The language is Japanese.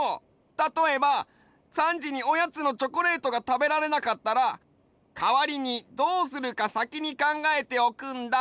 たとえば３じにおやつのチョコレートがたべられなかったらかわりにどうするかさきに考えておくんだ。